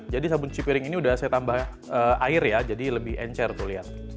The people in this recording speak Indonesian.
jadi sabun cuci piring ini udah saya tambah air ya jadi lebih encer tuh lihat